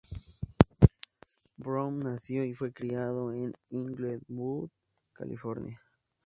Brown nació y fue criado en Inglewood, California.